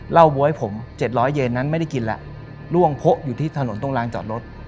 บ๊วยผม๗๐๐เยนนั้นไม่ได้กินแล้วล่วงโพะอยู่ที่ถนนตรงรางจอดรถ